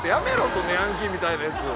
そのヤンキーみたいなやつ。